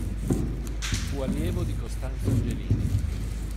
Fu allievo di Costanzo Angelini.